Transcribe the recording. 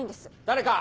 誰か！